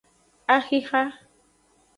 Axixa.